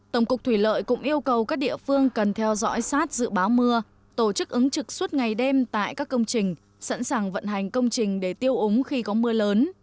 tổng cục thủy lợi cũng yêu cầu các địa phương cần theo dõi sát dự báo mưa tổ chức ứng trực suốt ngày đêm tại các công trình sẵn sàng vận hành công trình để tiêu úng khi có mưa lớn